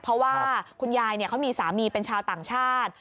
เพราะว่าคุณยายเขามีสามีเป็นชาวต่างชาติ